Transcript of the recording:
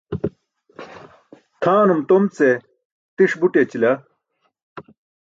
Tʰaanum tom ce tiṣ but yaćila.